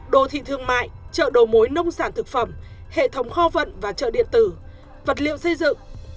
đô thị thương mại chợ đầu mối nông sản thực phẩm hệ thống kho vận và chợ điện tử vật liệu xây dựng